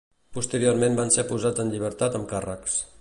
Posteriorment van ser posats en llibertat amb càrrecs.